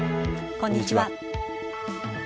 こんにちは。